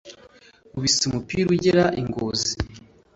Nkubise umupira ugera i Ngozi